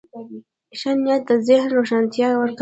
ښه نیت د ذهن روښانتیا ورکوي.